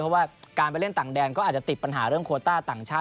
เพราะว่าการไปเล่นต่างแดนก็อาจจะติดปัญหาเรื่องโคต้าต่างชาติ